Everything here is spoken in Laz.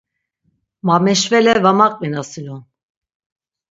Mameşvele va maqvinasinon.